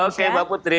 oke mbak putri